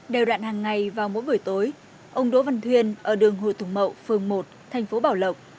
đều đạn hàng ngày vào mỗi buổi tối ông đỗ văn thuyên ở đường hồ tùng mậu phường một thành phố bảo lộc